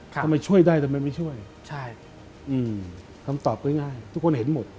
ทำไมช่วยได้ทำไมไม่ช่วยใช่อืมคำตอบง่ายทุกคนเห็นหมด